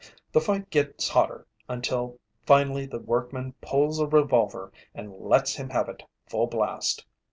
The fight gets hotter until finally the workman pulls a revolver and lets him have it full blast.